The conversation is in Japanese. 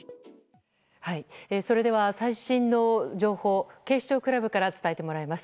それでは最新の情報を警視庁クラブから伝えてもらいます。